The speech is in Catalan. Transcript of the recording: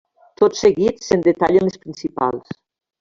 Tot seguit se'n detallen les principals.